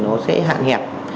nó sẽ hạn hẹp